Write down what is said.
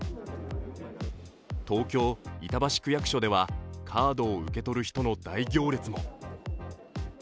東京・板橋区役所ではカードを受け取る人の大行列も。